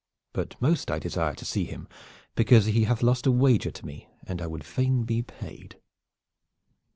But most I desire to see him because he hath lost a wager to me and I would fain be paid."